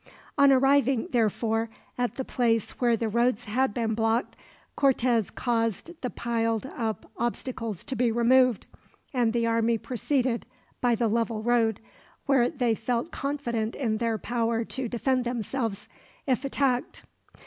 On arriving, therefore, at the place where the roads had been blocked, Cortez caused the piled up obstacles to be removed; and the army proceeded by the level road, where they felt confident in their power to defend themselves, if attacked.